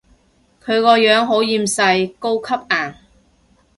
佢個樣好厭世，高級顏